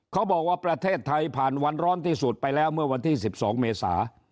เขาบอกว่าประเทศไทยผ่านวันร้อนที่สุดไปแล้วเมื่อวันที่๑๒เมษา